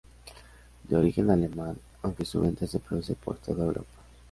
De origen Alemán aunque su venta se produce por toda Europa.